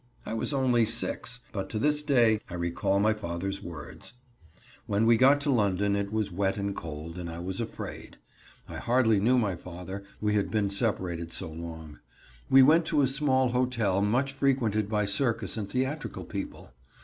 I was only six, but to this day I recall my father's words. When we got to London it was wet and cold and I was afraid. I hardly knew my father, we had been separated so long. We went to a small hotel much frequented by circus and theatrical people.